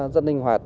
rất linh hoạt